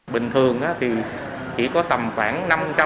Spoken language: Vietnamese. bình thường thì chỉ có tầm khoảng